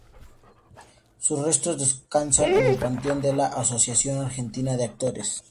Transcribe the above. Sus restos descansan en el panteón de la Asociación Argentina de Actores.